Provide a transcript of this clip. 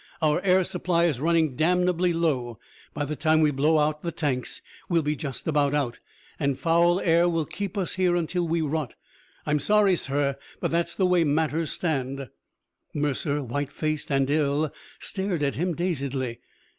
Our air supply is running damnably low. By the time we blow out the tanks we'll be just about out. And foul air will keep us here until we rot. I'm sorry, sir, but that's the way matters stand." Mercer, white faced and ill, stared at him dazedly.